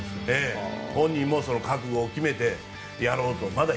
本人もその覚悟を決めてやろうと。